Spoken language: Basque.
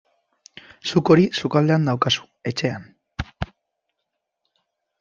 Zuk hori sukaldean daukazu, etxean.